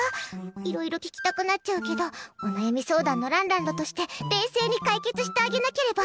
いろいろ聞きたくなっちゃうけどお悩み相談のランランドとして冷静に解決してあげなければ。